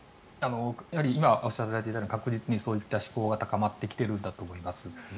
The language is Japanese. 今おっしゃられていたように確実にその需要が高まってきているんだと思います。